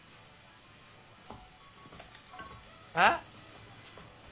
えっ？